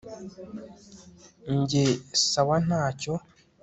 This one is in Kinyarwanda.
njye sawa ntacyo